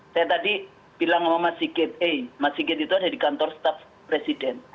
saya tadi bilang sama mas sigit eh mas sigit itu ada di kantor staf presiden